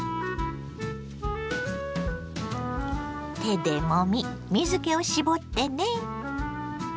手でもみ水けを絞ってね。